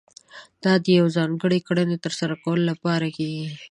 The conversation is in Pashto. دا د يوې ځانګړې کړنې ترسره کولو لپاره کېږي.